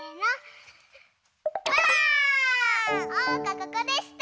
ここでした！